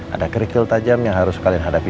ada kerikil tajam yang harus kalian hadapi